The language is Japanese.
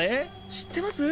知ってます？